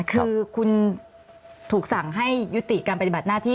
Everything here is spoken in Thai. คือคุณถูกสั่งให้ยุติการปฏิบัติหน้าที่